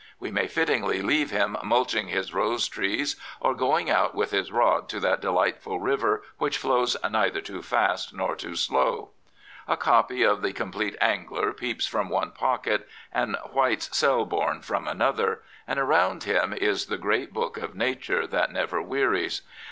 We may fittingly leave him mulching his rose trees or going out with his rod to that delightful river which flows neither too fast nor too slow. A copy of the Compleat Angler peeps from one pocket, and Whitens Selborne from another, and around him is the great book of nature that never weanes.